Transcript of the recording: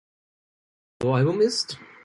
Soloalbum ist.